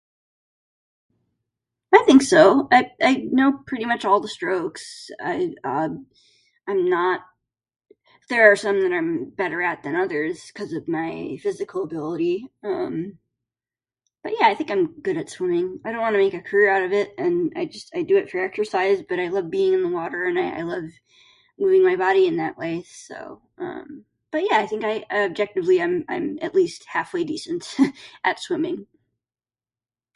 I think so... I... I know pretty much all the strokes... I'm not. There are some that I'm better at than others cuz of my physical ability. Um. But yeah I think i'm good at swimming. I don't wanna make a career out of it and I just I do it for exercise but I love being in the water and I love moving my body in that way so, um. But yeah I think objectively I'm I'm at least half way decent at swimming.